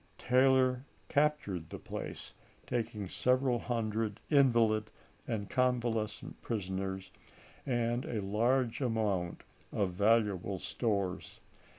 Taylor captured the place, taking w. R. several hundred invalid and convalescent prisoners xxvi., and a large amount of valuable stores.